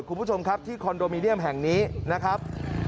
คุณผู้ชมครับที่คอนโดมิเนียมแห่งนี้นะครับ